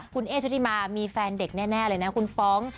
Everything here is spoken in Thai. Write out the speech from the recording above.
คุณเอ๊ชุติมามีแฟนเด็กแน่เลยนะคุณฟ้อง